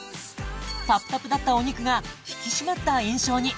たぷたぷだったお肉が引き締まった印象に！